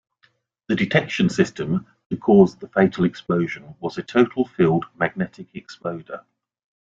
The detection system to cause the fatal explosion was a total field magnetic exploder.